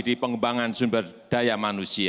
di pengembangan sumber daya